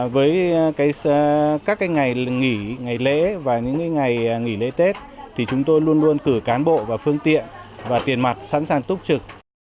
với các ngày nghỉ ngày lễ và những ngày nghỉ lễ tết thì chúng tôi luôn luôn cử cán bộ và phương tiện và tiền mặt sẵn sàng túc trực